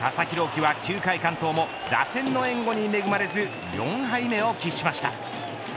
希は９回完投も打線の援護に恵まれず４敗目を喫しました。